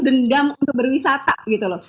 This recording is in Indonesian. dendam untuk berwisata gitu loh